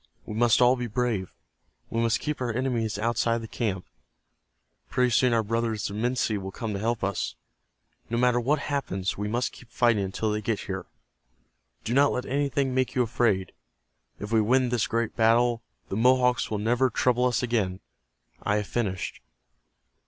We must all be brave. We must keep our enemies outside of the camp. Pretty soon our brothers, the Minsi, will come to help us. No matter what happens we must keep fighting until they get here. Do not let anything make you afraid. If we win this great battle, the Mohawks will never trouble us again. I have finished."